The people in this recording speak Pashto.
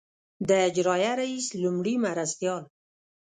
د اجرائیه رییس لومړي مرستیال.